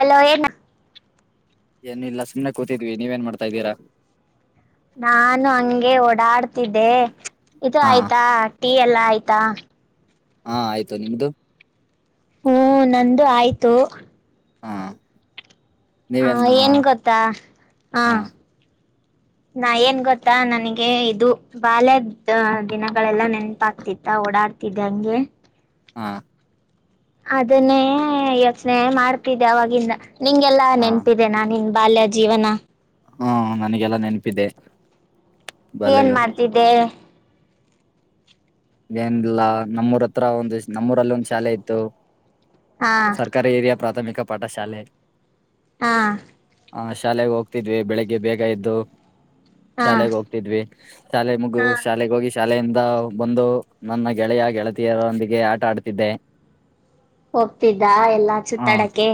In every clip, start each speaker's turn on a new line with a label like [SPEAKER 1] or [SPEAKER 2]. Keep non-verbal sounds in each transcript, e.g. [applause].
[SPEAKER 1] Hello ಏನು
[SPEAKER 2] ಏನಿಲ್ಲ ಸುನೆ ಕೂತಿದ್ವಿ ನೀವೇನ್ ಮಾಡ್ತಾ ಇದೀರಾ
[SPEAKER 1] ನಾನು ಹಂಗೆ ಓಡಾಡ್ತಿದ್ದೆ ಇದು
[SPEAKER 2] ಹಾ
[SPEAKER 1] ಆಯ್ತಾ ಟೀ ಎಲ್ಲ ಆಯ್ತಾ
[SPEAKER 2] ಹಾ ಆಯ್ತು ನಿಮ್ದು
[SPEAKER 1] ಹೂ ನಂದು ಆಯ್ತು
[SPEAKER 2] ಹಾ
[SPEAKER 1] ಹ
[SPEAKER 2] ನೀವೇನ್ ಹಾ
[SPEAKER 1] ಏನ್ ಗೊತ್ತಾ ಹಾ ನಾ ಏನ್ ಗೊತ್ತಾ ನನಗೆ ಇದು ಬಾಲ್ಯದ ದಿನಗಳೆಲ್ಲ ನೆನಪಾಗ್ತಿತ್ತ ಓಡಾಡ್ತಿದ್ದ ಹಂಗೆ
[SPEAKER 2] ಹಾ
[SPEAKER 1] ಅದನ್ನೇ ಯೋಚನೆ ಮಾಡ್ತಿದ್ದೆ ಅವಾಗಿಂದ ನಿಂಗೆಲ್ಲಾ
[SPEAKER 2] ಹಾ
[SPEAKER 1] ನೆನ್ಪ ದೆ ನಾನ್ ನಿಂಗನ್ ಬಾಲ್ಯ ಜೀವನ
[SPEAKER 2] ಹಾ ನನಗೆಲ್ಲ ನೆನಪಿದ್ದೆ
[SPEAKER 1] ಏನ್ ಮಾಡ್ತಿದ್ದೆ
[SPEAKER 2] ಏನ್ಿಲ್ಲಾ ನಮ್ಮೂರ್ ಹತ್ರ ಒಂದ್ ನಮ್ಮೂರಲ್ಲಿ ಒಂದ್ ಶಾಲೆ ಇತ್ತು
[SPEAKER 1] ಹಾ
[SPEAKER 2] ಸರ್ಕಾರಿ ಹಿರಿಯಾ ಪ್ರಾಥಮಿಕ ಪಾಠಶಾಲೆ
[SPEAKER 1] ಹಾ
[SPEAKER 2] ಹ ಶಾಲೆಗೆ ಹೋಗ್ತಿದ್ವಿ ಬೆಳಿಗ್ಗೆ ಬೇಗ ಇದ್ದು
[SPEAKER 1] ಹಾ
[SPEAKER 2] ಶಾಲೆೆಗೆ ಹೋಗ್ತಿದ್ವಿ ಶಾಲೆ ಮುಗು
[SPEAKER 1] ಹಾ
[SPEAKER 2] ಶಾಲೆೆಗೆ ಹೋಗಿ ಶಾಲೆಯಿಂದ ಬಂದು ನನ್ನ ಗೆಳೆಯ ಗೆಳತಿಯರೊಂದಿಗೆ ಆಟ ಆಡ್ತಿದ್ದೆ
[SPEAKER 1] ಹೋಗ್ತಿದ್ದ ಎಲ್ಲಾ
[SPEAKER 2] ಹಾ
[SPEAKER 1] ಸುತ್ತಾಡಕ್ಕೆ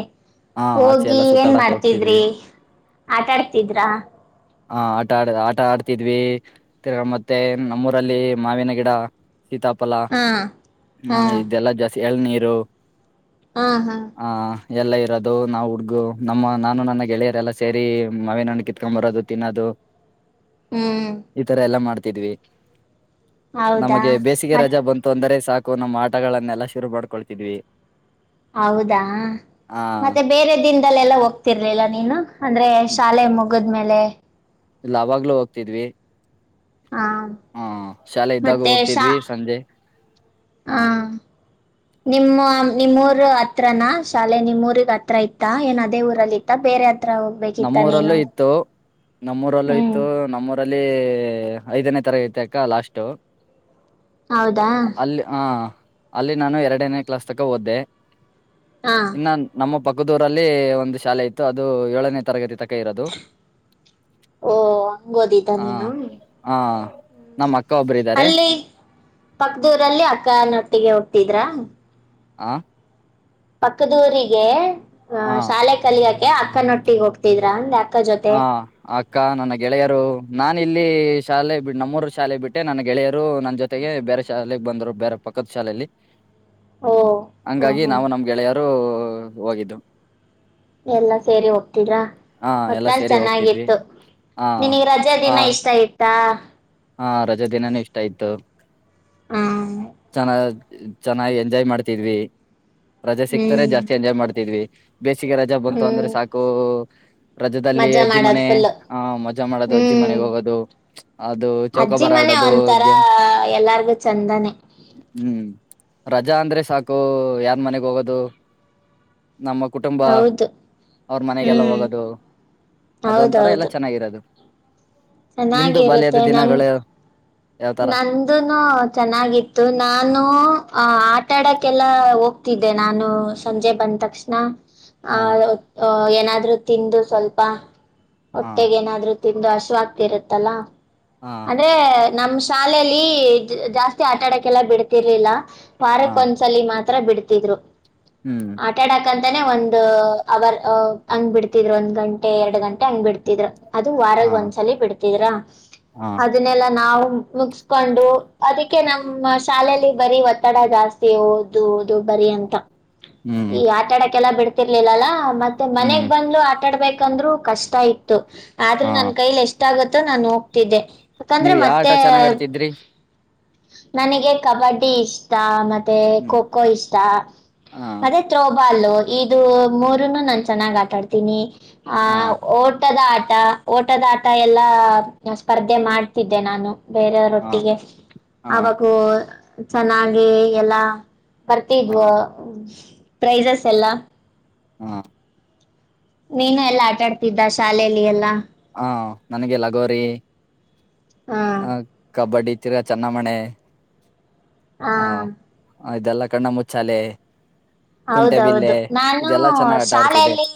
[SPEAKER 2] ಹಾ ಆಚೆ
[SPEAKER 1] ಹೋಗಿ
[SPEAKER 2] ಎಲ್ಲ
[SPEAKER 1] ಏನ್
[SPEAKER 2] ಸುತ್ತಾಡಕ್ ಹೋಗ್ತಿದ್ವಿ
[SPEAKER 1] ಮಾಡ್ತಿದ್ರಿ ಆಟಾ ಆಡ್ತಿದ್ರಾ
[SPEAKER 2] ಹ ಆಟ ಆಡ್ ಆಟ ಆಡ್ತಿದ್ವಿ ಇರ್ಗಾ ಮತ್ತೆ ನಮ್ಮೂರಲ್ಲಿ ಮಾವಿನ ಗಿಡ ಸೀತಾಫಲ
[SPEAKER 1] ಹಾ ಹಾ
[SPEAKER 2] ಹ ಇದೆಲ್ಲಾ ಜಾಸ್ತಿ ಎಳನೀರು
[SPEAKER 1] ಹಾ ಹಾ
[SPEAKER 2] ಎಲ್ಲ ಇರೋದು ನಾವು ಹುಡ್ಗು ನಮ್ಮ ನಾನು ನನಗೆ ಗೆಳೆಯರೆಲ್ಲ ಸೇರಿ ಮಾವಿನ ಹಣ್ಣ ಕಿತ್ಕೊಂಬರೋದು ತಿನ್ನೋದು
[SPEAKER 1] ಹ್ಮ್
[SPEAKER 2] ಈ ತರ ಎಲ್ಲಾ ಮಾಡ್ತಿದ್ವಿ
[SPEAKER 1] ಹೌದಾ
[SPEAKER 2] ನಮಗೆ ಬೇಸಿಗೆ
[SPEAKER 1] ಮತ್
[SPEAKER 2] ರಜಾ ಬಂತು ಅಂದರೆ ಸಾಕು ನಮ್ಮ ಆಟಗಳನ್ನೆಲ್ಲ ಶುರು ಮಾಡ್ಕೊಳ್ತಿದ್ವಿ
[SPEAKER 1] ಹೌದಾ
[SPEAKER 2] ಆ
[SPEAKER 1] ಮತ್ತೆ ಬೇರೆ ದಿನದಲ್ಲೆಲ್ಲ ಹೋಗ್ತಿರ್ಲಿಲ್ಲ ನೀನು ಅಂದ್ರೆ ಶಾಲೆ ಮುಗದ್ಮೇಲೆ
[SPEAKER 2] ಇಲ್ಲ ಅವಾಗ್ಲೂ ಹೋಗ್ತಿದ್ವಿ
[SPEAKER 1] ಹಾ
[SPEAKER 2] ಹಾ ಶಾಲೆ ಇದ್ದಾಗ
[SPEAKER 1] ಮತ್ತೆ
[SPEAKER 2] ಹೋಗ್ತಿದ್ವಿ ಸಂಜೆ ಹ
[SPEAKER 1] ಹಾ ನಿಮ್ಮ್ ನಿಮ್ಮೂಊರ್ ಹತ್ರನಾ ಶಾಲೆ ನಿಮ್ಮ್ ಊರಿಗೆ ಹತ್ರ ಇತ್ತ ಏನ್ ಅದೇ ಊರಲ್ಲಿ ಇತ್ತ ಬೇರೆ ಹತ್ರ ಹೋಗ್ಬೇಕಿತ್ತ ನೀನು
[SPEAKER 2] ನಮ್ಮೂರಲ್ಲೂ ಇತ್ತು ನಮ್ಮೂರಲ್ಲೂ
[SPEAKER 1] ಹ್ಮ್
[SPEAKER 2] ಇತ್ತು ನಮ್ಮೂರು ರಲ್ಲಿ ಐದನೇ ತರ ತೆ ಅಕ್ಕ ಲಾಸ್ಟ್
[SPEAKER 1] ಹೌದಾ
[SPEAKER 2] ಅಲ್ಲಿ ಆ ಅಲ್ಲಿ ನಾನು ಎರಡನೇ ಕ್ಲಾಸ್ ತಕ್ಕ ಓದ್ದೆ
[SPEAKER 1] ಹಾ
[SPEAKER 2] ಇನ್ನ ನಮ್ಮ ಪಕ್ಕದೂರಲ್ಲಿ ಒಂದು ಶಾಲೆ ಇತ್ತು ಅದು ಏಳನೇ ತರಗತಿ ತ
[SPEAKER 1] ಓ ಹಂಗ ಓದಿದ್ದ ನೀನು
[SPEAKER 2] ಹಾ ನಮ್ಮ ಅಕ್ಕ ಒಬ್ರ ಇ
[SPEAKER 1] ಅಲ್ಲಿ ಪಕ್ದೂರಲ್ಲಿ ಅಕ್ಕನೊಟ್ಟಿಗೆ ಹೋಗ್ತಿದ್ರ
[SPEAKER 2] ಆ
[SPEAKER 1] ಪಕ್ಕದಊರಿಗೆ
[SPEAKER 2] ಹ
[SPEAKER 1] ಆಹ ಶಾಲೆ ಕಲಿಯಕೆ ಅಕ್ಕನೊಟ್ಟಿಗೆ ಹೋಗ್ತಿದ್ರ ಅಂದ ಅ
[SPEAKER 2] ಹಾ ಅಕ್ಕ ನನ್ನ ಗೆಳೆಯರು ನಾನು ಇಲ್ಲಿ ಶಾಲೆ ಬಿ ನಮ್ಮೂರು ಶಾಲೆ ಬಿಟ್ಟೆ ನನ್ನ ಗೆಳೆಯರು ನನ್ನ ಜೊತೆ ಬೇರೆ ಶಾಲೆಗೆ ಬಂದ್ರು ಬೇರೆ ಪಕ್ಕದ ಶಾಲೆಯಲ್ಲಿ
[SPEAKER 1] [inaudible] ಹ್ಮ್
[SPEAKER 2] ಹಂಗಾಗಿ
[SPEAKER 1] ಹ್ಮ್
[SPEAKER 2] ನಾವು ನಮ್ ಗೆಳೆಯರು ಹೋಗಿದ್ದು
[SPEAKER 1] ಎಲ್ಲಾ ಸೇರಿ ಹೋಗ್ತರಾ
[SPEAKER 2] ಹ ಎಲ್ಲ
[SPEAKER 1] ಮತ್ತನಲ್
[SPEAKER 2] ಸೇರಿ ಹೋಗ್ತಿದ್ವಿ
[SPEAKER 1] ಚೆನ್ನಾಗಿತ್ತು
[SPEAKER 2] ಹ
[SPEAKER 1] ನಿನಗ್ ರಜಾ ದಿನ ಇಷ್ಟ ಚೈತಾ
[SPEAKER 2] ಹಾ ರಜೆ ದಿನಾನೂ ಇಷ್ಟ ಆಯ್ತು
[SPEAKER 1] ಹ್ಮ್
[SPEAKER 2] ಚನ್ನ ಚೆನ್ನಾಗ್ ಎಂಜಾಯ್ ಮಾಡ್ತಿದ್ವಿ ರಜಾ ಸಿಕ್ತಾರೆ
[SPEAKER 1] ಹ್ಮ್
[SPEAKER 2] ಜಾಸ್ತಿ ಎಂಜಾಯ್ ಮಾಡ್ತಿದ್ವಿ ಬೇಸಿಗೆ ರಜಾ ಬಂತು ಅಂದ್ರೆ
[SPEAKER 1] ಹ್ಮ್
[SPEAKER 2] ಸಾಕು ರಜದಲ್ಲಿ
[SPEAKER 1] ಮಜಾ ಮಾಡೋದು
[SPEAKER 2] ಅಜಿಮ್ಮನೆ
[SPEAKER 1] ಫುಲ್ಲು
[SPEAKER 2] ಆಹ ಮಜಾ ಮಾಡೋದು
[SPEAKER 1] ಹ್ಮ್
[SPEAKER 2] ಅಜಿಮ್ಮನೆಗ್ ಹೋಗೋದು ಅದು
[SPEAKER 1] ಅಜ್ಜಿ
[SPEAKER 2] ಚೌಕಬಾರ
[SPEAKER 1] ಮನೆ
[SPEAKER 2] ಆಡೋದು
[SPEAKER 1] ಒಂತರ
[SPEAKER 2] ಗೇಮ್
[SPEAKER 1] ಎಲ್ಲಾರ್ಗು ಚಂದಾನೇ
[SPEAKER 2] ಹ್ಮ್ ರಜಾ ಅಂದ್ರೆ ಸಾಕು ಯಾರ್ ಮನೆಗ್ ಹೋಗೋದು ನಮ್ಮ ಕುಟುಂಬ
[SPEAKER 1] ಹೌದು
[SPEAKER 2] ಅವ್ರ ಮನೆಗೆಲ್ಲ
[SPEAKER 1] ಹ್ಮ್
[SPEAKER 2] ಹೋಗೋದು ಅದೊಂಥರ ಎಲ್ಲ
[SPEAKER 1] ಹೌದೌದು
[SPEAKER 2] ಚೆನ್ನಾಗಿರೋದು ನಿಮ್ದು ಬಾಲ್ಯದ
[SPEAKER 1] ಚೆನ್ನಾಗಿರುತ್ತೆ ನಂಗ್
[SPEAKER 2] ದಿನಗಳು ಯಾವ್ತರ
[SPEAKER 1] ನಂದುನು ಚೆನ್ನಾಗಿತ್ತು ನಾನು ಆ ಆಟ ಆಡಕ್ಕೆಲ್ಲ ಹೋಗ್ತಿದ್ದೆ ನಾನು ಸಂಜೆ ಬಂದ ತಕ್ಷಣ
[SPEAKER 2] ಹ
[SPEAKER 1] ಆ ಏನಾದ್ರು ತಿಂದು ಸ್ವಲ್ಪ
[SPEAKER 2] ಹ
[SPEAKER 1] ಹೊಟ್ಟೆಗೆ ಏನಾದ್ರು ತಿಂದು ಹಶವಕ್ತಿ ಇರುತ್ತಲ್ಲ
[SPEAKER 2] ಹ
[SPEAKER 1] ಅಂದ್ರೆ ನಮ್ಮ ಶಾಲಲಿ ಜಾಸ್ತಿ ಆಟ ಆಡಕ್ಕೆಲ್ಲ ಬಿಡ್ತಿರ್ಲಿಲ್ಲ ವಾರಕ್ಕ
[SPEAKER 2] ಹ
[SPEAKER 1] ಚಲಿ ಮಾತ್ರ ಬಿಡ್ತಿದ್ರು
[SPEAKER 2] ಹ್ಮ್
[SPEAKER 1] ಆಟ ಆಡಕಂತಾನೆ ಒಂದ್ ಅವರ್ ಅ ಹಂಗ್ ಬಿಡ್ತಿದ್ ಒಂದ್ ಗಂಟೆ ಎರಡ್ ಗಂಟೆ ಹಂಗ್ ಬಿಡ್ತಿದ್ರು. ಅದು
[SPEAKER 2] ಹ
[SPEAKER 1] ವಾರಗ್ ಒಂದ್ಸಲಿ ಬಿಡ್ತಿದ್ರ
[SPEAKER 2] ಹ
[SPEAKER 1] ಅದನ್ನೆಲ್ಲಾ ನಾವು ಮುಗ್ಸ್ಕೊಂಡು ಅದಕ್ಕೆ ನಮ್ಮ ಶಾಲೆಯಲ್ಲಿ ಬರೀ ಒತ್ತಡ ಜಾಸ್ತಿ ಓ ದು ಓದು ಬರಿ ಅಂತ.
[SPEAKER 2] ಹ್ಮ್
[SPEAKER 1] ಈ ಆಟಾಡಕ್ಕೆಲ್ಲ ಬಿಡ್ತಿರ್ಲಿಲ್ಲಲ್ಲ ಮತ್ತೆ ಮನೆಗ್
[SPEAKER 2] ಹ್ಮ್
[SPEAKER 1] ಬಂದು ಆಟ ಆಡ್ಬೇಕಂದ್ರು ಕಷ್ಟ ಇತ್ತು
[SPEAKER 2] ಹ
[SPEAKER 1] ಆದ್ರೂ ನನ್ ಕೈಲಿ ಎಷ್ಟ ಆಗುತ್ತೋ ನಾನು ಹೋಗ್ತಿದ್ದೆ. ಯಾಕಂದ್ರೆ
[SPEAKER 2] ನೀವು ಯಾವ್ ಆಟ
[SPEAKER 1] ಮತ್ತೆ
[SPEAKER 2] ಚೆನ್ನಾಗ್ ಆಡ್ತಿದ್ರಿ.
[SPEAKER 1] ನನಗೆ ಕಬಡ್ಡಿ ಇಷ್ಟ ಮತ್ತೆ
[SPEAKER 2] ಹ್ಮ್
[SPEAKER 1] ಖೋ ಖೋ ಇಷ್ಟ
[SPEAKER 2] ಹಾ
[SPEAKER 1] ಪ ತ್ರೋಬಾಲ್ ಇದು ಮೂರನ್ನು ನಾ ಚೆನ್ನಾಗ್ ಆಟಾಡ್ತೀನಿ ಆ
[SPEAKER 2] ಹಾ
[SPEAKER 1] ಓ ಟದ ಆಟ ಓಟದ ಆಟ ಎಲ್ಲಾ ಸ್ಪರ್ಧೆ ಮಾಡ್ತಿದ್ದೆ ನಾನು.
[SPEAKER 2] ಹಾ
[SPEAKER 1] ಬೇರೆಯವರೊಟ್ಟಿಗೆ
[SPEAKER 2] ಹಾ
[SPEAKER 1] ಅವಗೂ ಚೆನ್ನಾಗಿ ಎಲ್ಲಾ
[SPEAKER 2] ಹಾ
[SPEAKER 1] ಬರ್ತಿದ್ವು ಪ್ರೈಸಸ್ ಎಲ್ಲಾ.
[SPEAKER 2] ಹಾ
[SPEAKER 1] ನೀನು ಎಲ್ಲಾ ಆಟಾಡ್ತಿದ್ದ ಶಾಲೆಯಲ್ಲಿ ಎಲ್ಲಾ?
[SPEAKER 2] ಹ ನನ್ಗೆ ಲಗೋರಿ.
[SPEAKER 1] ಹಾ
[SPEAKER 2] ಹ ಕಬಡ್ಡಿ ತಿರ್ಗ ಚೆನ್ನಮಣೆ
[SPEAKER 1] ಹಾ
[SPEAKER 2] ಹ ಇದೆಲ್ಲಾ ಕಣ್ಣ ಮುಚ್ಚಾಲೆ.
[SPEAKER 1] ಹೌದೌದು
[SPEAKER 2] ಕುಂಟೆಬಿಲ್ಲೆ
[SPEAKER 1] ನಾನು
[SPEAKER 2] ಇದೆಲ್ಲಾ ಚೆನ್ನಾಗ್ ಆಟ ಆಡ್ತಿದ್ದೆ
[SPEAKER 1] ಶಾಲೆಯಲ್ಲಿ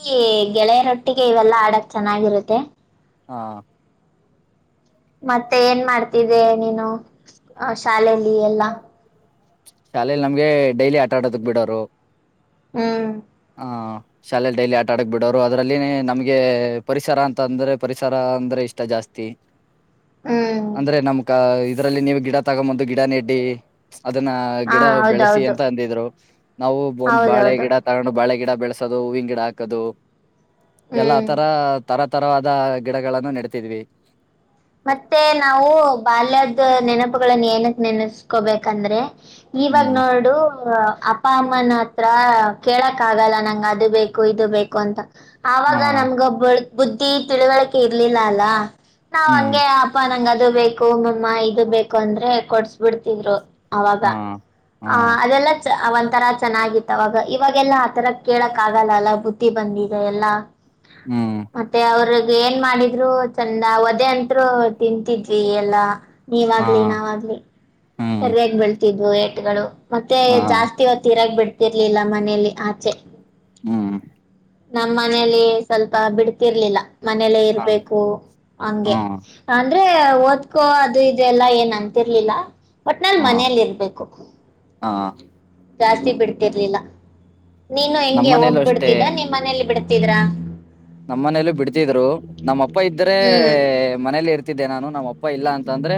[SPEAKER 1] ಗೆಳೆಯರೊಟ್ಟಿಗೆ ಇವೆಲ್ಲಾ ಆಡಕ್ ಚೆನ್ನಾಗಿರುತ್ತೆ.
[SPEAKER 2] ಹಾ
[SPEAKER 1] ಮತ್ತೆ ಏನ್ ಮಾಡ್ತಿದ್ದೆ ನೀನು ಶಾಲೆಲ್ಲಿ ಎಲ್ಲಾ.
[SPEAKER 2] ಶಾಲೇಲಿ ನಮ್ಗೆ ಡೈಲಿ ಆಟ ಆಡೋದಕ್ ಬಿಡೋರು.
[SPEAKER 1] ಹ್ಮ್
[SPEAKER 2] ಹ ಶಾಲೆೆಯಲ್ಲಿ ಡೈಲಿ ಆಟ ಆಡಕ್ ಬಿಡೋರು, ಅದ್ರಲ್ಲಿ ನಮ್ಗೆ ಪರಿಸರ ಅಂತ ಅಂದ್ರೆ ಪರಿಸರ ಅಂದ್ರೆ ಇಷ್ಟ ಜಾಸ್ತಿ.
[SPEAKER 1] ಹ
[SPEAKER 2] ಅಂದ್ರೆ ನಮ್ಕ ಇದ್ರಲ್ಲಿ ನೀವು ಗಿಡ ತಗೊಂಬಂದು ಗಿಡ ನೆಟ್ಟಿ ಅದನ್ನ
[SPEAKER 1] ಹಾ
[SPEAKER 2] ಗಿಡ ಬೆಳೆಸಿ
[SPEAKER 1] ಹೌದೌದು
[SPEAKER 2] ಅಂತ ಅಂದಿದ್ರು ನಾವು ಒಂದ್ ಬಾಳೆ
[SPEAKER 1] ಹೌದೌದು
[SPEAKER 2] ಗಿಡ ತಗೊಂಡು ಬಳೆ ಗಿಡ ಬೆಳೆಸೋದು ಹೂವಿನ ಗಿಡ ಹಾಕದು ಎಲ್ಲಾ
[SPEAKER 1] ಹ್ಮ್
[SPEAKER 2] ಆತರ ತರ ತರವಾದ ಗಿಡಗಳನ್ನು ನೆಡ್ತಿದ್ವಿ.
[SPEAKER 1] ಮತ್ತೆ ನಾವು ಬಾಲ್ಯದ ನೆನಪುಗಳನ್ನ ಏನಕ್ ನೆನಸ್ಕೊಬೇಕಂದ್ರೆ ಇವಾಗ
[SPEAKER 2] ಹ್ಮ್
[SPEAKER 1] ನೋಡು ಅಪ್ಪ ಅಮ್ಮನ ಹತ್ರ ಕೇಳಕ್ ಆಗಲ್ಲ ನಂಗೆ ಅದು ಬೇಕು ಇದು ಬೇಕು ಅಂತ
[SPEAKER 2] ಹಾ
[SPEAKER 1] ಆವಾಗ ನಮ್ಗೊಬ್ಬಳ್ ಬುದ್ಧಿ ತಿಳಿವಳಿಕೆ ಇರ್ಲಿಲ್ಲ ಅಲ್ಲಾ. ನಾವ್
[SPEAKER 2] ಹ್ಮ್
[SPEAKER 1] ಹಂಗೆ ಅಪ್ಪ ನಂಗ್ ಅದು ಬೇಕು ಮಮ್ಮ ಇದು ಬೇಕು ಅಂದ್ರೆ ಕೊಡ್ಸ್ ಬಿಡ್ತಿದ್ರು. ಆವಾಗ
[SPEAKER 2] ಹಾ ಹಾ
[SPEAKER 1] ಆ ಅದೆಲ್ಲ ಒಂಥರ ಚೆನ್ನಾಗಿತ್ತು ಅವಾಗ ಇವಾಗೆಲ್ಲ ಆತರ ಕೇಳಕ್ ಆಗಲ್ಲ ಅಲ್ಲ ಬುದ್ಧಿ ಬಂದಿದೆ ಎಲ್ಲ. [unintelligible]
[SPEAKER 2] ಹ್ಮ್
[SPEAKER 1] ಮತ್ತೆ ಅವ್ರಗ್ ಏನ್ ಮಾಡಿದ್ರು ಚಂದ ಒದೆೆ ಅಂತ್ರು ತಿಂತಿದ್ವಿ ಎಲ್ಲಾ.
[SPEAKER 2] ಹಾ
[SPEAKER 1] ನೀವಾಗ್ಲಿ ನಾವಾಗ್ಲಿ
[SPEAKER 2] ಹ್ಮ್
[SPEAKER 1] ಸರಿಯಾಗಿ ಬೆಳ್ತಿದ್ವು ಏಟ್ಗಳು ಮತ್ತೆ
[SPEAKER 2] ಹಾ
[SPEAKER 1] ಜಾಸ್ತಿ ತೀರಾಗ ಬಿಡ್ತಿರ್ಲಿಲ್ಲ ಮನೇೆಲ್ಲಿ ಆಚೆ.
[SPEAKER 2] ಹ್ಮ್
[SPEAKER 1] ನಮ್ಮನೇಲಿ ಸ್ವಲ್ಪ ಬಿಡ್ತಿರ್ಲಿಲ್ಲ ಮನೇಲ್ಲೇ
[SPEAKER 2] ಹಾ
[SPEAKER 1] ಇರ್ಬೇಕು ಹಂಗೆ.
[SPEAKER 2] ಹಾ
[SPEAKER 1] ಅಂದ್ರೆ ಓದ್ಕೋ ಅದು ಇದು ಎಲ್ಲ ಏನ್ ಅಂತಿರ್ಲಿಲ್ಲ ಒಟ್ನಲ್
[SPEAKER 2] ಹಾ
[SPEAKER 1] ಮನೇಲಿ ಇರ್ಬೇಕು.
[SPEAKER 2] ಹಾ
[SPEAKER 1] ಜಾಸ್ತಿ ಬಿಡ್ತಿರ್ಲಿಲ್ಲ ನೀನು ಹೆಂಗೆ ಹೋಗ್
[SPEAKER 2] ನಮ್ಮನೇಲ್ಲೂ ಅಷ್ಟೇ
[SPEAKER 1] ಬಿಡ್ತಿದ್ದ ನಿಮ್ ಮನೇಲಿ ಬಿಡ್ತ ತಿದರಾ.
[SPEAKER 2] ನಮ್ಮ ಮನೆಯಲ್ಲೂ ಬಿಡ್ತಿದ್ರು ನಮ್ಮ ಅಪ್ಪ ಇದ್ದರೆ
[SPEAKER 1] ಹ್ಮ್
[SPEAKER 2] ಮನೇಲಿ ಇರ್ತ ತಿದ್ದೆ ನಾನು ನಮ್ಮ ಅಪ್ಪ ಇಲ್ಲ ಅಂತ ಅಂದ್ರೆ.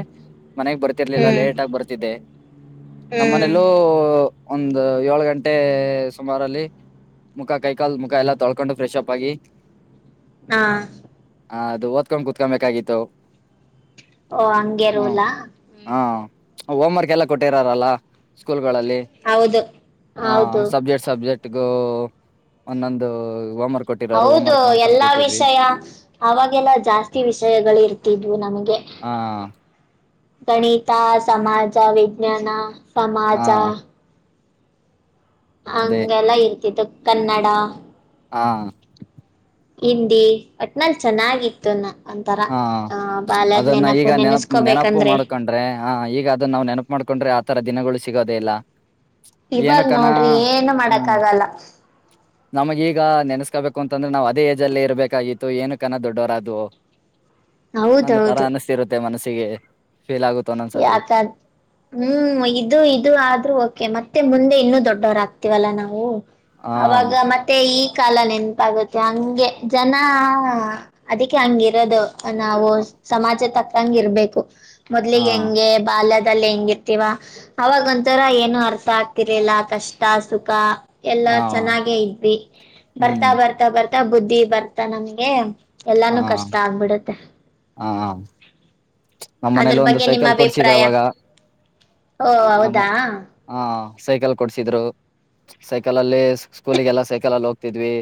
[SPEAKER 2] ಮನೆಗ್ ಬರ್ತಿರ್ಲಿಲ್ಲ
[SPEAKER 1] ಹ್ಮ್
[SPEAKER 2] ಲೇಟ್ ಆಗಿ ಬರ್ತಿದ್ದೆ ನಮ್ಮ
[SPEAKER 1] ಹ್ಮ್
[SPEAKER 2] ಮನೆಲ್ಲೂ ಒಂದು ಏಳ್ ಗಂಟೆ ಸುಮಾರಲ್ಲಿ. ಮುಖ ಕೈಕಾಲ್ ಮುಖ ಎಲ್ಲ ತೊಳ್ಕೊಂಡ ಫ್ರೆಶ್ ಆಪ್ ಆಗಿ.
[SPEAKER 1] ಹಾ.
[SPEAKER 2] ಹ ಅದು ಓದಕೊಂಡ್ ಕುತ್ಕೊಬೇಕಾಗಿತ್ತು.
[SPEAKER 1] ಓ ಹಂಗೆ ರುಲಾ.
[SPEAKER 2] ಹಾ ಹೋಮ್ವರ್ಕ್ ಎಲ್ಲ ಕೊಟ್ಟಿರೊ ಅಲ್ಲಾ. ಸ್ಕೂಲ್ಗಳಲ್ಲಿ
[SPEAKER 1] ಹೌದು
[SPEAKER 2] ಹ
[SPEAKER 1] ಹೌದು
[SPEAKER 2] ಸಬ್ಜೆಕ್ಟ್ ಸಬ್ಜೆಕ್ಟ್. ಗು ಒಂದೊಂದು ಹೋಮ್ವರ್ಕ್ ಕೊಟ್ಟಿರೋರು
[SPEAKER 1] ಹೌದು
[SPEAKER 2] ಹೋಮ್ವರ್ಕ್.
[SPEAKER 1] ಎಲ್ಲಾ ವಿಷಯ ಅವಾಗೆಲ್ಲ ಜಾಸ್ತಿ ವಿಷಯಗಳು ಇರ್ತಿದ್ವು ನಮಗೆ.
[SPEAKER 2] ಹಾ.
[SPEAKER 1] ಗಣಿತ ಸಮಾಜ ವಿಜ್ಞಾನ
[SPEAKER 2] ಹಾ
[SPEAKER 1] ಸಮಾಜ.
[SPEAKER 2] ಅದೇ
[SPEAKER 1] ಹಂಗೆಲ್ಲ ಇರ್ತಿತ್ತು ಕನ್ನಡ.
[SPEAKER 2] ಅ
[SPEAKER 1] ಹಿಂದಿ ಒಟ್ನಲ್ ಚೆನ್ನಾಗಿತ್ತು ನ ಒಂತರ
[SPEAKER 2] ಹಾ
[SPEAKER 1] ಅ ಬಾಲ್ಯದ್ ನೆನಪು ನೆನೆಸ್ಕೋಬೇಕಂದ್ರೆ.
[SPEAKER 2] ಅಂದ್ರೆ ಹ ಈಗ ಅದನ್ನ ನಾವ್ ನೆನಪು ಮಾಡ್ಕೊಂಡ್ರೆ ಆತರ ದಿನಗಳು ಸಿಗೋದೇ ಇಲ್ಲ. ಏನು
[SPEAKER 1] ಇವಾಗ
[SPEAKER 2] ಕನ
[SPEAKER 1] ನೋಡ್ರಿ ಏನು ಮಾಡಕ್ ಆಗಲ್ಲ.
[SPEAKER 2] ನಮಗ ಈಗ ನೆನೆಸ್ಕಬೇಕು ಅಂತಂದ್ರೆ ನಾವ್ ಅದೇ ಏಜ್ ಅಲ್ಲಿ ಇರಬೇಕಾಗಿತ್ತು ಏನ ಕನ ದೊಡ್ಡವರ ಅದೋ. [unintelligible] ತರ
[SPEAKER 1] ಹೌದೌದು
[SPEAKER 2] ಅನಿಸ್ತಿರುತ್ತೆ ಮನಸ್ಸಿಗೆ ಫೀಲ್ ಆಗು
[SPEAKER 1] ಯಾಕ ಹ್ಮ್ ಇದು ಇದು ಆದ್ರೂ ಓಕೆ ಮತ್ತೆ ಮುಂದೆ ಇನ್ನುೂ ದೊಡ್ಡವರ ಆಗ್ತಿವಲ್ಲ ನಾವು.
[SPEAKER 2] ಹಾ
[SPEAKER 1] ಅವಾಗ ಮತ್ತ ತ್ತೆ ಈ ಕಾಲ ನೆನಪಾಗುತ್ತೆ ಹಂಗೆ ಜನ ಅದಕ್ಕೆ ಹಂಗ ಇರೋದು. ನಾವು ಸಮಾಜ ತಕ್ಕಂಗ ಇರ್ಬೇಕು
[SPEAKER 2] ಹಾ
[SPEAKER 1] ಮೊದಲಿಗೆ ಹೆಂಗೆ ಬಾಲ್ಯದಲ್ಲಿ ಹೆಂಗೆ ತೀವ ಅವಾಗ ಒಂಥರ ಏನು ಅರ್ಥ ಆಗ್ತಿರ್ಲಿಲ್ಲ ಕಷ್ಟ ಸುಖ. ಎಲ್ಲಾ
[SPEAKER 2] ಹಾ
[SPEAKER 1] ಚೆನ್ನಾಗೆ ಇದ್ವಿ ಬರ್ತಾ
[SPEAKER 2] ಹ್ಮ್
[SPEAKER 1] ಬರ್ತಾ ಬರ್ತಾ ಬುದ್ಧಿ ಬರ್ತಾ ನಮಗೆ ಎಲ್ಲಾನು ಕಷ್ಟ ಆಗ್ಬಿಡುತ್ತೆ.
[SPEAKER 2] ಹ ಹ. ನಮ್ಮ
[SPEAKER 1] ಅದ್ರ
[SPEAKER 2] ಮನೇಲಿ ಒಂದು
[SPEAKER 1] ಬಗ್ಗೆ ನಿಮ್ಮ
[SPEAKER 2] ಸೈಕಲ್ ಕೊಡ್ಸಿದ್ರ
[SPEAKER 1] ಅಭಿಪ್ರಾಯ
[SPEAKER 2] ಅವಾಗ
[SPEAKER 1] ಓ
[SPEAKER 2] ನಮ್ಮ.
[SPEAKER 1] ಹೌದಾ
[SPEAKER 2] ಹಾ ಸೈಕಲ್ ಕೊಡ್ಸಿದ್ರು. ಸೈಕಲ ಅಲ್ಲಿ ಸ್ಕೂಲಿಗೆಲ್ಲಾ ಸೈಕಲ್ ಅಲ್ಲಿ ಹೋಗ್ತಿದ್ವಿ.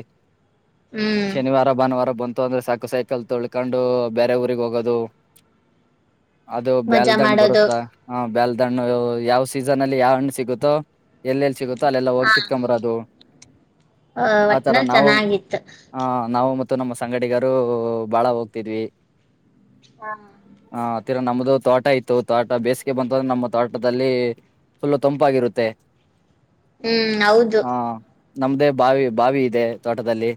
[SPEAKER 1] ಹ್ಮ್
[SPEAKER 2] ಶನಿವಾರ ಭಾನುವಾರ ಬಂತು ಅಂದ್ರೆ ಸಾಕು ಸೈಕಲ್ ತೊಳ್ಕೊಂಡು ಬೇರೆ ಊರಿಗೆ ಹೋಗೋದು. ಅದು
[SPEAKER 1] ಮಜಾ
[SPEAKER 2] ಬ್ಯಾಲ್ದಂಡ್
[SPEAKER 1] ಮಾಡೋದು
[SPEAKER 2] ಬರುತ್ತಾ. ಹಾ ಬೆಲ್ದ ಹಣ್ಣು ಯಾವ್ ಸೀಸನ್ ಅಲ್ಲಿ ಯಾವ್ ಹಣ್ಣು ಸಿಗುತ್ತೋ ಎಲ್ಲೆಲ್ಲಿ ಸಿಗೊ ತಾಲ ಎಲ್ಲ ಹೋಗಿ
[SPEAKER 1] ಹಾ
[SPEAKER 2] ಕಿತಕೊಂದ ಬರೋದು ಆತರ
[SPEAKER 1] ಒಟ್ನಲ್ಲಿ
[SPEAKER 2] ನಾವು.
[SPEAKER 1] ಚೆನ್ನಾಗಿತ್ತು
[SPEAKER 2] ಹ ನಾವು ಮತ್ತು ನಮ್ಮ ಸಂಗಡಿಗರು ಬಾಳ ಹೋಗ್ತಿದ್ವಿ.
[SPEAKER 1] ಹ್.
[SPEAKER 2] ಹ ತೀರ ನಮ್ದು ತೋಟ ಇತ್ತು ತೋಟ ಬೇಸಿಗೆ ಬಂತಂದ್ರೆ ನಮ್ಮ ತೋಟದಲ್ಲಿ ಫುಲ್ ತಂಪಾಗಿರುತ್ತೆ.
[SPEAKER 1] ಹ್ಮ್ ಹೌದು
[SPEAKER 2] ಹಾ ನಮ್ದೇ ಬಾವಿ ಬಾವಿ ಇದೆ ತೋಟದಲ್ಲಿ.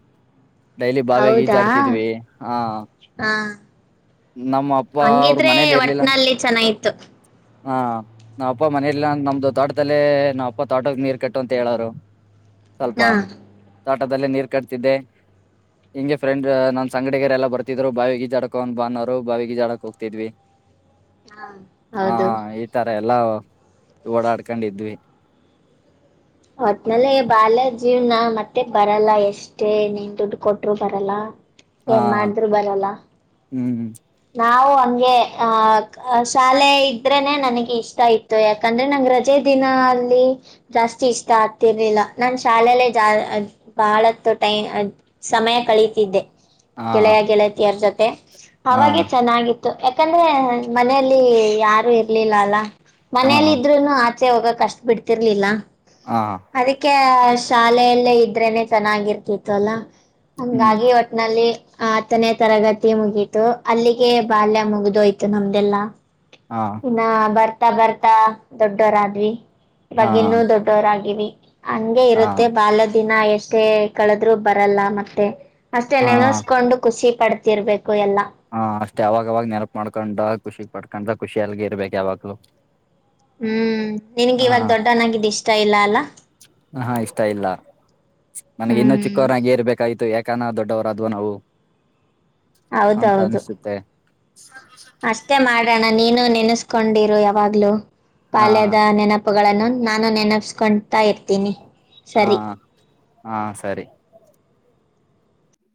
[SPEAKER 2] ಡೈಲಿ ಬಾವಾಗ
[SPEAKER 1] ಹೌದಾ
[SPEAKER 2] ಈಜಾಡ್ತಿದ್ವಿ ಹ
[SPEAKER 1] ಹಾ
[SPEAKER 2] ನಮ್ಮ ಅಪ್ಪ ಅವರು
[SPEAKER 1] ಹಂಗಿದ್ರೆ
[SPEAKER 2] ಮನೇಲಿ ಇರ್ಲಿಲ್ಲ ಅನ್-
[SPEAKER 1] ಒಟ್ನಲ್ಲಿ ಚೆನ್ನಾಗಿತ್ತು
[SPEAKER 2] ಹಾ ನಾವ ಅಪ್ಪ ಮನೇಲಿ ನ ನಮ್ದು ತೋಟದಲ್ಲೇ ನಾವ ಅಪ್ಪ ತೋಟದ ನೀರ್ ಕಟ್ಟು ಅಂತ ಹೇಳೋರು ಸ್ವಲ್ಪ
[SPEAKER 1] ಹಾ
[SPEAKER 2] ತೋಟದದಲ್ಲಿ ನೀರ್ ಕಟ್ತಿದ್ದೆ ಹಿಂ ಫ್ರೆಂಡ್ ನ್ಂಗಡಿಗರ ಎಲ್ಲ ಬತಿದ್ರು ಬಾವಿಗಿ ಜಡಕ ಅ ಬಾನರು ಬಾವಿಗಿಜಡಕ ಹೋಗ್ತಿದ್ವಿ ಹ
[SPEAKER 1] ಹೌದು
[SPEAKER 2] ಇತರ ಎಲ್ಲಾ ಓಡಾಡ್ಕೊಂಡಿದ್ವಿ
[SPEAKER 1] ಹೊಟ್ ಮೇಲೆ ಬಾಲ್ಯ ಜೀವ್ನ ಮತ್ತೆ ಬರಲ್ಲ ಎಷ್ಟು ಅಷ್ಟೇ ನೀನ್ ದುಡ್ಡು ಕೊಟ್ಟರು ಬರಲ್ಲ
[SPEAKER 2] ಹಾ
[SPEAKER 1] ಏನ್ ಮಾಡ್ರು ಬರಲ್ಲ
[SPEAKER 2] ಹ್ಮ್ ಹ್ಮ್
[SPEAKER 1] ನಾವು ಹಂಗೆ ಆಹ ಶಾಲೆ ಇದ್ರೇನೆ ನನಗೆ ಇಷ್ಟ ಇತ್ತು ಯಾಕಂದ್ರೆ ನಂಗಗೆ ರಜೆ ದಿನ ಅಲ್ಲಿ ಜಾಸ್ತಿ ಇಷ್ಟ ಆಗ್ತಿರ್ಲಿಲ್ಲ ನನ್ ಶಾಲೆಲ್ಲೇ ಜಾ ಬಾಳತ್ತು ಟೈಮ್ ಸಮಯ ಕಳತಿದ್ದೆ
[SPEAKER 2] ಹಾ
[SPEAKER 1] ಗೆಳೆಯ ಗೆಳತಿಯರ ಜೊತೆ
[SPEAKER 2] ಹಾ
[SPEAKER 1] ಅವಾಗೆ ಚೆನ್ನಾಗಿತ್ತು ಯಾಕಂದ್ರೆ ಮನೆಯಲ್ಲಿ ಯಾರು ಇರ್ಲಿಲ್ಲ ಅಲ್ಲ ಮನೇೆಯಲ್ಲಿ
[SPEAKER 2] ಹಾ
[SPEAKER 1] ಇದ್ರುನು ಆಚೆ ಹೋಗ ಕಷ್ಟ ಬಿಡ್ತಿರ್ಲಿಲ್ಲ
[SPEAKER 2] ಹ
[SPEAKER 1] ಅದಕ್ಕೆ ಶಾಲೆಯಲ್ಲೇ ಇದ್ರೇನೆ ಚೆನ್ನಾಗಿರ್ತಿತ್ತು ಅಲ್ಲಾ
[SPEAKER 2] ಹ್ಮ್
[SPEAKER 1] ಹಂಗಾಗಿ ಒ ನಲ್ಲಿ ಹತ್ತನೇ ತರಗತಿ ಮುಗಿ ಅಲ್ಲಿಗೆ ಬಾಲ್ಯ ಮುಗಿದು ಆಯ್ತು ನಮ್ದಲ್ಲಾ
[SPEAKER 2] ಹಾ
[SPEAKER 1] ನ ಬರ್ತಾ ಬರ್ತಾ ದೊಡ್ಡವರ ಆದ್ವಿ
[SPEAKER 2] ಹಾ
[SPEAKER 1] ಇವಾಗ ಇನ್ನುೂ ದೊಡ್ಡೋರಗವಿ ಹಂಗೆ
[SPEAKER 2] ಹಾ
[SPEAKER 1] ಇರುತ್ತೆ ಬಾಲ್ ದಿನ ಎಷ್ಟೇ ಕಳೆದ್ರು ಬರಲ್ಲ ಮತ್ತೆ ಅಷ್ಟೆ
[SPEAKER 2] ಹಾ
[SPEAKER 1] ನೆನೆಸ್ಕೊಂಡು ಖುಷಿ ಪಡ್ತಿರ್ಬೇಕು ಎಲ್ಲಾ
[SPEAKER 2] ಹಾ ಅಷ್ಟೇ ಯಾವಾಗ ಅವಾವಾಗ ನೆನಪ ಮಾಡ್ಕೊಂಡ್ ಖುಷಿ ಪಡ್ಕೊಂಡ ಖುಷಿ ಅಲ್ಗ ಇರ್ಬೇಕಕ್ ಯಾಗಲೂ
[SPEAKER 1] ಹ್ಮ್ ನನ್ಗೆ ಇವಾಗ ದೊಡ್ಡವನಾಗಿದ್ ಇಷ್ಟ ಇಲ್ಲ ಅಲ್ಲಾ
[SPEAKER 2] ಹ ಇಷ್ಟ ಇಲ್ಲ ನನ್ಗೆ ಇನ್ನೂ
[SPEAKER 1] ಹ್ಮ್
[SPEAKER 2] ಚಿಕ್ಕವರಾಗಿ ಏರ್ಬೇಕಾಯ್ತು ಯಾಕೆ ಕನ ದೊಡ್ಡವರಾದ್ವ ನಾವು ಅಂತ
[SPEAKER 1] ಹೌದೌದು
[SPEAKER 2] ಅನಿಸುತ್ತೆ
[SPEAKER 1] ಅಷ್ಟೇ ಮಾಡೋಣ ನೀನು ನೆನೆಸ್ಕೊಂಡಿರು ಯಾವಾಗ್ಲುೂ
[SPEAKER 2] ಹಾ
[SPEAKER 1] ಪಾಲ್ಯದ ನೆನಪ ಹಪ್ಪುಗಳನ್ನು ನಾನು ನೆನಪಸ್ಕೊತಾ ಇರ್ತೀನಿ
[SPEAKER 2] ಹಾ
[SPEAKER 1] ಸರಿ
[SPEAKER 2] ಹಾ ಸರಿ